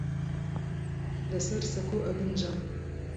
لەسەر سەکۆ ئەبن جەم